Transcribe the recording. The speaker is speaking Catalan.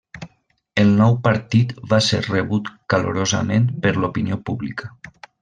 El nou partit va ser rebut calorosament per l'opinió pública.